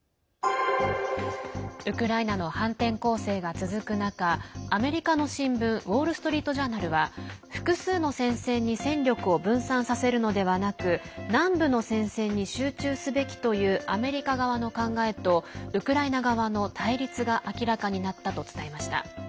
ウクライナの反転攻勢が続く中アメリカの新聞ウォール・ストリート・ジャーナルは複数の戦線に戦力を分散させるのではなく南部の戦線に集中すべきというアメリカ側の考えとウクライナ側の対立が明らかになったと伝えました。